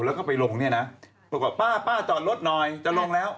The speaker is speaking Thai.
แล้วก็ไปลงเนี่ยนะปรากฏป้าป้าจอดรถหน่อยจะลงแล้ว